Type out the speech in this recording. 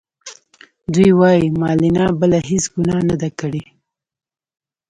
دوی وايي مولنا بله هیڅ ګناه نه ده کړې.